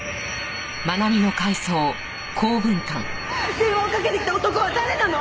電話をかけてきた男は誰なの？